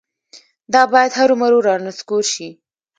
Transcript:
دا باید هرومرو رانسکور شي.